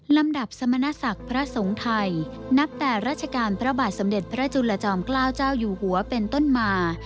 ลำดับสมณศักดิ์พระสงฆ์ไทยนับแต่ราชการพระบาทสมเด็จพระจุลจอมเกล้าเจ้าอยู่หัวเป็นต้นมา